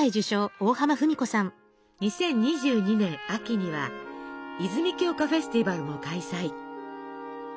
２０２２年秋には「泉鏡花フェスティバル」も開催。